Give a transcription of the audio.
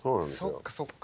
そっかそっか。